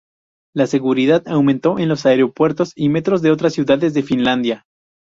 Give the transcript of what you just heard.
La seguridad aumentó en los aeropuertos y metros de otras ciudades de Finlandia.